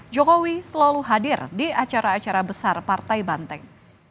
jokowi selalu hadir di acara acara besar partai banteng